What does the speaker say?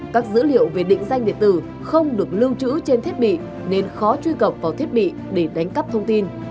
các dữ liệu về định danh điện tử không được lưu trữ trên thiết bị nên khó truy cập vào thiết bị để đánh cắp thông tin